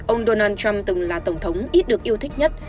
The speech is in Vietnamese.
ông donald trump từng là tổng thống ít được yêu thích nhất